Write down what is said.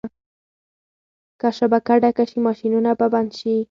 که شبکه ډکه شي ماشینونه به بند شي.